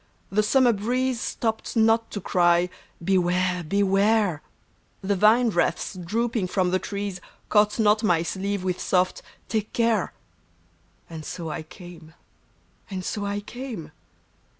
The summer breeze Stopped not to cry " Beware ! beware !" The vine wreaths drooping from the trees Caught not my sleeve with soft " Take care I " And so I came, and so I came.